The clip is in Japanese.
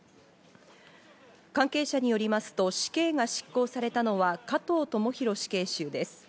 関係者によりますと、死刑が執行されたのは、加藤智大死刑囚です。